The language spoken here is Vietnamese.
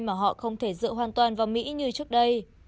mà họ không thể dựa hoàn toàn vào mỹ như trước đây